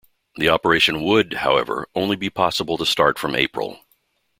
The operation would, however, only be possible to start from April.